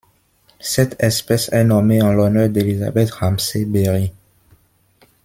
Cette espèce est nommée en l'honneur d'Elizabeth Ramsey Berry.